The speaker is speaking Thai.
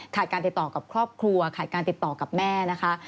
การติดต่อกับครอบครัวขาดการติดต่อกับแม่นะคะ